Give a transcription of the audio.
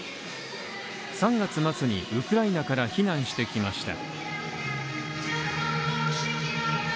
３月末にウクライナから避難してきました。